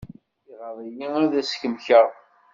Iɣaḍ-iyi ad as-kemmkeɣ.